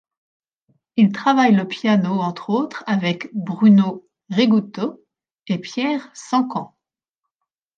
Il travaille le piano entre autres avec Bruno Rigutto et Pierre Sancan.